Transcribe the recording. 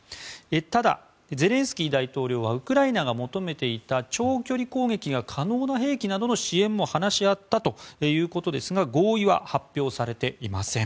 ただ、ゼレンスキー大統領はウクライナが求めていた長距離攻撃が可能な兵器などの支援も話し合ったということですが合意は発表されていません。